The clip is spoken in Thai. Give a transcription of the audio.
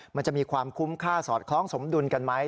มันจะมีความคุ้มค่าสอดคล้องสมดุลกันไหม